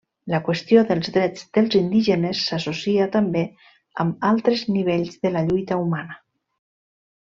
La qüestió dels drets dels indígenes s'associa també amb altres nivells de la lluita humana.